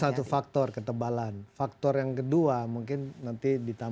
ya itu faktor ketebalan faktor yang kedua mungkin nanti ditambahkan juga dulu pak konny